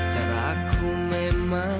caraku memang tak biasa